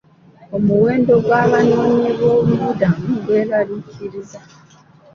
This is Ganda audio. Omuwendo gw'abanoonyiboobubudamu gweraliikiriza.